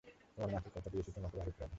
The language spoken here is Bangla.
তোমার মাকে কথা দিয়েছি তোমাকে বাড়ি ফেরাবো।